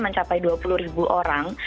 mencapai dua puluh ribu orang